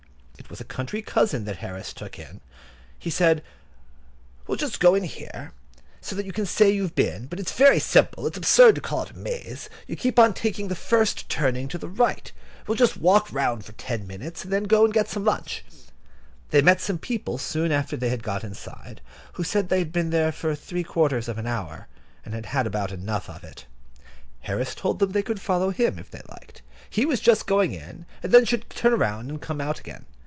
It was a country cousin that Harris took in. He said: "We'll just go in here, so that you can say you've been, but it's very simple. It's absurd to call it a maze. You keep on taking the first turning to the right. We'll just walk round for ten minutes, and then go and get some lunch." They met some people soon after they had got inside, who said they had been there for three quarters of an hour, and had had about enough of it. Harris told them they could follow him, if they liked; he was just going in, and then should turn round and come out again.